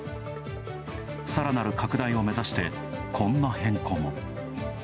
さらなる拡大を目指して、こんな変更も。